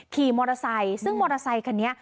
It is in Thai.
ขี่มอเตอร์ไซค์ซึ่งมอเตอร์ไซคันนี้